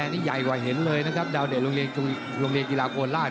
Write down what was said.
นี่ใหญ่กว่าเห็นเลยนะครับดาวเดชโรงเรียนกีฬาโคราช